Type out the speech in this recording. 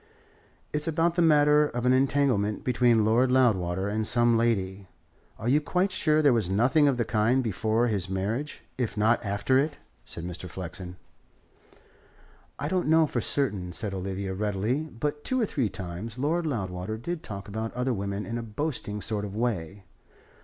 "It's about the matter of an entanglement between Lord Loudwater and some lady. Are you quite sure there was nothing of the kind before his marriage, if not after it?" said Mr. Flexen. "I don't know for certain," said Olivia readily. "But two or three times Lord Loudwater did talk about other women in a boasting sort of way.